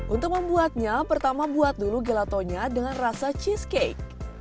untuk membuatnya pertama buat dulu gelatonya dengan rasa cheesecake